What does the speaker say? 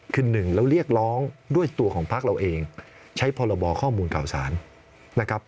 คือหนึ่งเราเรียกร้องด้วยตัวของพักเราเองใช้พรบข้อมูลข่าวสารนะครับ